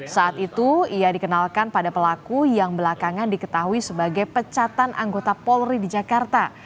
saat itu ia dikenalkan pada pelaku yang belakangan diketahui sebagai pecatan anggota polri di jakarta